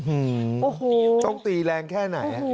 อื้อฮือต้องตีแรงแค่ไหน